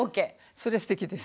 それすてきです。